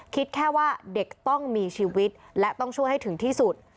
คิดแค่ว่าเด็กต้องมีชีวิตและต้องช่วยให้ถึงที่สุด